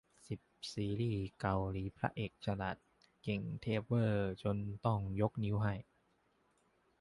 สิบ ซีรีส์เกาหลีพระเอกฉลาด เก่งเทพเว่อร์ จนต้องยกนิ้วให้